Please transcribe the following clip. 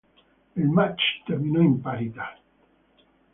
Il match terminò in parità.